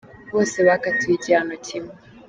Bose bakatiwe igihano kimwe.